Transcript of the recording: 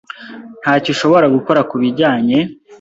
Ntacyo ushobora gukora kubijyanye.